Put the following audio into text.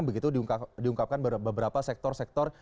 begitu diungkapkan beberapa sektor sektor